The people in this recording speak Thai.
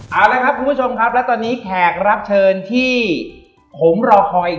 เอาละครับคุณผู้ชมครับและตอนนี้แขกรับเชิญที่ผมรอคอย